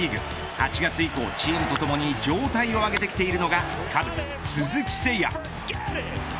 ８月以降、チームとともに状態を上げてきているのがカブス鈴木誠也。